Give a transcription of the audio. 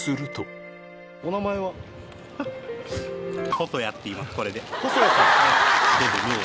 細谷っていいますこれで。